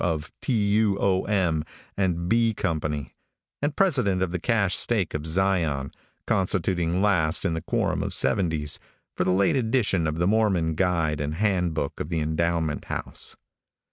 W. of T. U. O. M. and B. company, and president of the cache stake of Zion, constituting last in the quorum of seventies, for the late edition of the Mormon Guide and Hand Book of the Endowment House.